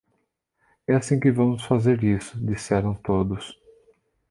É assim que vamos fazer isso ", disseram todos.